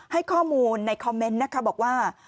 ให้ข้อมูลในคอมเมนต์นะคะบอกว่า